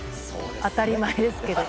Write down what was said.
当たり前ですけど。